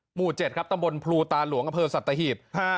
หมู่๗ครับตำบลภูตาหลวงกระเพิงสัตว์ตะหิต